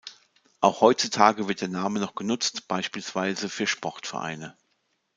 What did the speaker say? Auch heutzutage wird der Name noch genutzt, beispielsweise für Sportvereine.